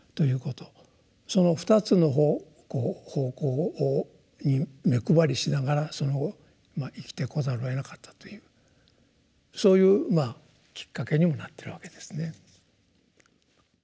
その２つの方向に目配りしながら生きてこざるをえなかったというそういうきっかけにもなってるわけですね。